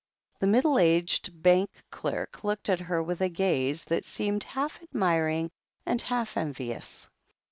The middle aged bank clerk looked at her with a gaze that seemed half admiring and half envious.